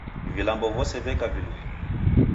Vilambo vose veka vilue.